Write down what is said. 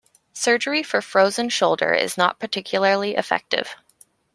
Surgery for frozen shoulder is not particularly effective.